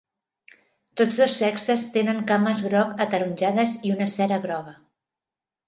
Tots dos sexes tenen cames groc ataronjades i una cera groga.